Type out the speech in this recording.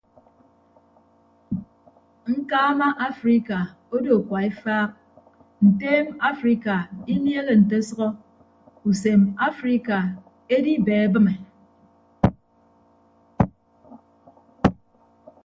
Ñkaama afrika odo kua efaak nteem afrika inieehe nte ọsʌhọ usem afrika edibeebịme.